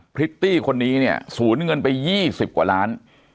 พริตตี้คนนี้เนี่ยสูญเงินไป๒๐กว่าล้าน